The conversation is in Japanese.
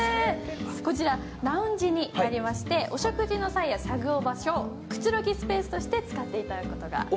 こちらはラウンジになりまして、お食事の際や作業場所くつろぎのペースとして使っていただきます